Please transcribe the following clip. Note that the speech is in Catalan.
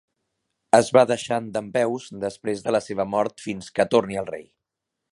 Es va deixar en dempeus després de la seva mort "fins que torni el rei".